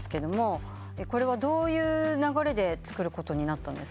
これはどういう流れで作ることになったんですか？